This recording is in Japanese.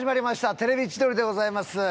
『テレビ千鳥』でございます。